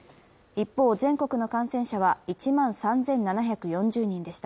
一方、全国の感染者は１万３７４０人でした。